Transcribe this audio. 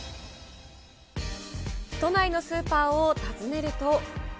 都内のスーパーを訪ねると。